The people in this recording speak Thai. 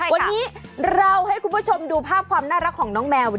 วันนี้เราให้คุณผู้ชมดูภาพความน่ารักของน้องแมว